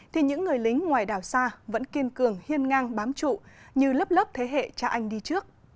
thì những người lính ngoài đảo xa vẫn kiên cường hiên ngang bám trụ như lớp lớp thế hệ cha anh đi trước